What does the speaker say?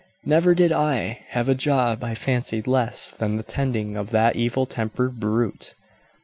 "Never did I have a job I fancied less than the tending of that evil tempered brute."